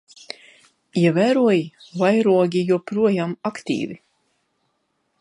Ievēroji? Vairogi joprojām aktīvi.